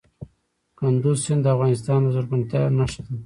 کندز سیند د افغانستان د زرغونتیا نښه ده.